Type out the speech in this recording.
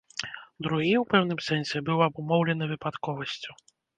Другі, у пэўным сэнсе, быў абумоўлены выпадковасцю.